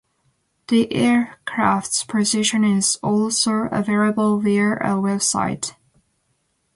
The aircraft's position is also available via a website.